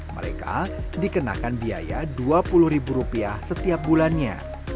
mereka dikenakan biaya rp dua puluh setiap bulannya